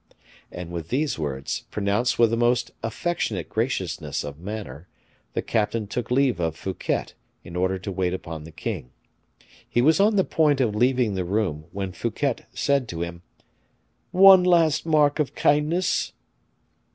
And with these words, pronounced with the most affectionate graciousness of manner, the captain took leave of Fouquet in order to wait upon the king. He was on the point of leaving the room, when Fouquet said to him, "One last mark of kindness."